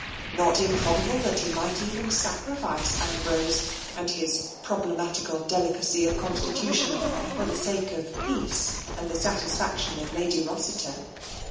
Not improbable that he might even sacrifice Ambrose and his problematical delicacy of constitution for the sake of peace, and the satisfaction of Lady Rossiter.